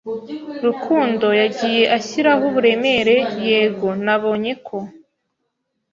"Rukundo yagiye ashyiraho uburemere" "Yego, nabonye ko."